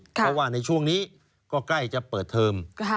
เพราะว่าในช่วงนี้ก็ใกล้จะเปิดเทอม